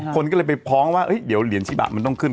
คนก็เลยไปพ้องว่าเดี๋ยวเหรียญชิบะมันต้องขึ้น